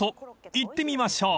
［行ってみましょう］